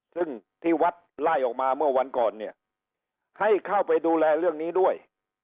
ซึ่งที่วัดไล่ออกมาเมื่อวันก่อนเนี่ยให้เข้าไปดูแลเรื่องนี้ด้วย